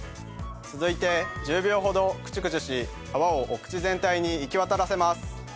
続いて１０秒ほどクチュクチュし泡をお口全体に行きわたらせます。